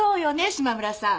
島村さん。